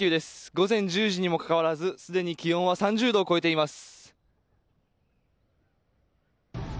午前１０時にもかかわらずすでに気温は３０度を超えています。